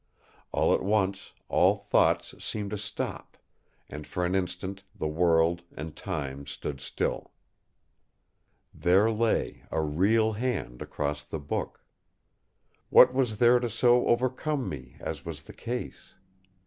All at once, all thoughts seemed to stop; and for an instant the world and time stood still. There lay a real hand across the book! What was there to so overcome me, as was the case?